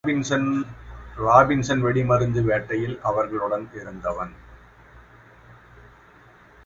Robinson வெடிமருந்து வேட்டையில் அவர்களுடன் இருந்தவன்.